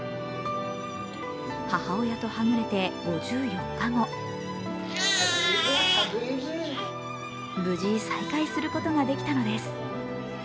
母親とはぐれて、５４日後無事、再会することができたのです。